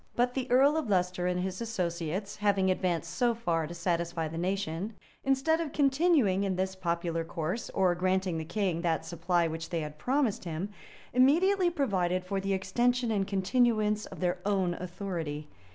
But the earl of Leicester and his associates, having advanced so far to satisfy the nation, instead of continuing in this popular course, or granting the king that supply which they had promised him, immediately provided for the extension and continuance of their own authority.